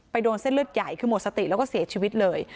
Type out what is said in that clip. โดนเส้นเลือดใหญ่คือหมดสติแล้วก็เสียชีวิตเลย